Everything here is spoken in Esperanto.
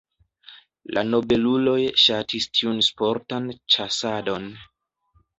La nobeluloj ŝatis tiun sportan ĉasadon.